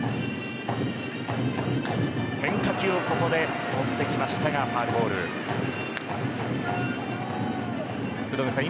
変化球をここで持ってきましたがファウルボール福留さん